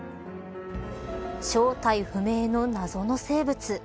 正体不明の謎の生物。